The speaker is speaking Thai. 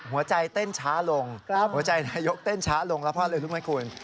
หัวใจเต้นช้าลงหัวใจนายกเต้นช้าลงรับภาพเลยรู้ไหมคุณ